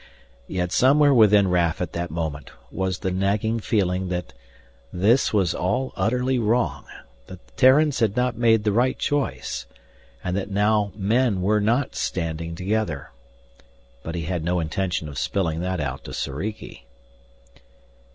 Yet somewhere within Raf at that moment was the nagging feeling that this was all utterly wrong, that the Terrans had not made the right choice. And that now "men" were not standing together. But he had no intention of spilling that out to Soriki.